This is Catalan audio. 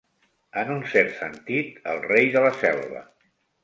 En un cert sentit, el rei de la selva.